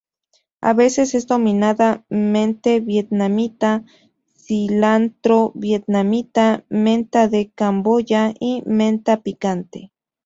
A veces es denominada menta vietnamita, cilantro vietnamita, menta de Camboya y menta picante.